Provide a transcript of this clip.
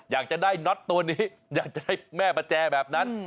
อยากจะได้น็อตตัวนี้อยากจะได้แม่ประแจแบบนั้น